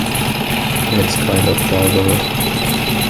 It's kind of barbarous.